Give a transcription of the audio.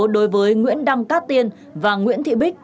đối với nguyễn đăng cát tiên và nguyễn thị bích